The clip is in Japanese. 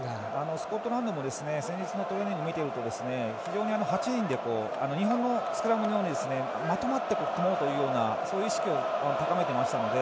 スコットランドも先日のトレーニングを見ていると非常に８人でスクラムをまとまって組もうという意識を高めていましたので。